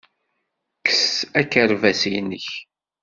Kkes akerbas-nnek.